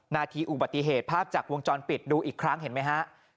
นาทีอุบัติเหตุภาพจากวงจรปิดดูอีกครั้งเห็นไหมฮะ